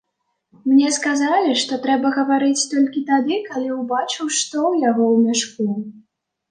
Мне сказалі, што трэба гаварыць толькі тады, калі ўбачыў, што ў яго ў мяшку.